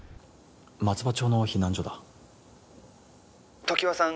松葉町の避難所だ☎常盤さん